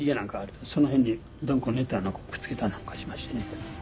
その辺にうどん粉を練ったようなのをくっつけたりなんかしましてね。